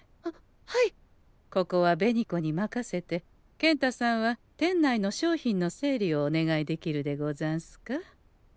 ここは紅子に任せて健太さんは店内の商品の整理をお願いできるでござんすか。